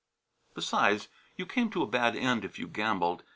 Besides, you came to a bad end if you gambled.